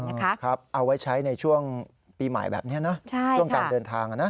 เอาไว้ใช้ในช่วงปีใหม่แบบนี้นะช่วงการเดินทางอ่ะนะ